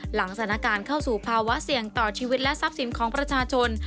หลังสถานการณ์เข้าสู่ภาวะเสี่ยงต่อชีวิตและทรัพย์สินของประชาชน